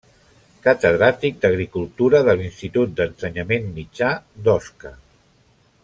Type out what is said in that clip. Catedràtic d'Agricultura de l'Institut d'Ensenyament Mitjà d'Osca.